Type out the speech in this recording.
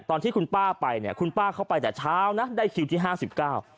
ตอนที่คุณป้าไปเนี่ยคุณป้าเข้าไปแต่เช้านะได้คิวที่ห้าสิบเก้า